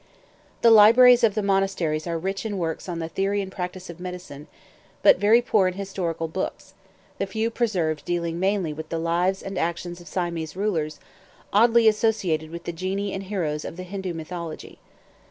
The libraries of the monasteries are rich in works on the theory and practice of medicine; but very poor in historical books, the few preserved dealing mainly with the lives and actions of Siamese rulers, oddly associated with the genii and heroes of the Hindoo mythology.